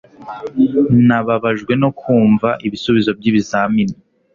Nababajwe no kumva ibisubizo by'ibizamini